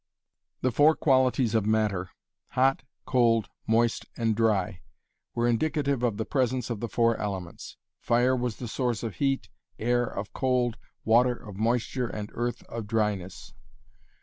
The four qualities of matter hot, cold, moist and dry were indicative of the presence of the four elements. Fire was the source of heat, air of cold, water of moisture, and earth of dryness.